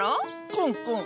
クンクン。